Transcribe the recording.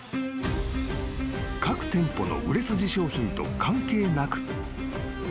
［各店舗の売れ筋商品と関係なく］